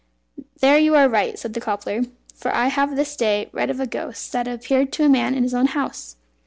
"There you are right," said the cobbler, "for I have this day read of a ghost that appeared to a man in his own house.